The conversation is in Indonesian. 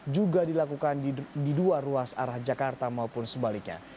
juga dilakukan di dua ruas arah jakarta maupun sebaliknya